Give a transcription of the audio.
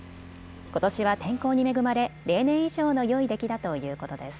ことしは天候に恵まれ例年以上のよい出来だということです。